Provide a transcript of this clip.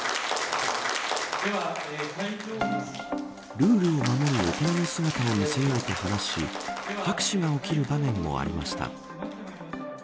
ルールを守る大人の姿を見せよう、と話し拍手が起きる場面もありました。